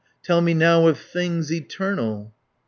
Tell me now of things eternal."